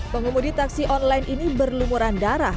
pengemudi taksi online ini berlumuran darah